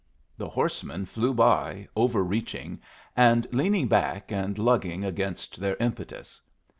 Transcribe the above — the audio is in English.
The horsemen flew by, overreaching, and leaning back and lugging against their impetus.